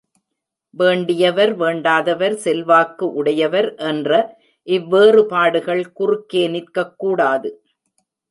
வேண்டியவர், வேண்டாதவர், செல்வாக்கு உடையவர் என்ற இவ் வேறுபாடுகள் குறுக்கே நிற்கக்கூடாது.